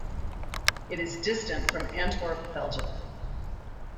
It is distant from Antwerp, Belgium.